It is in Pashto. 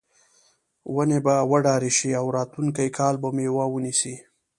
ونې به وډارې شي او راتلونکي کال به میوه ونیسي.